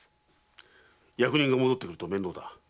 役人が戻ってくると面倒だ。